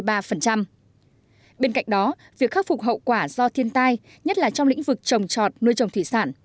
bên cạnh đó việc khắc phục hậu quả do thiên tai nhất là trong lĩnh vực trồng trọt nuôi trồng thủy sản